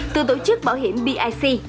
từ tổ chức bảo hiểm bic